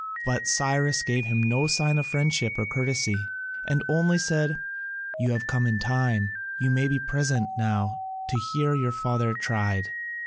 But Cyrus gave him no sign of friendship or courtesy, and only said, "You have come in time, you may be present now to hear your father tried."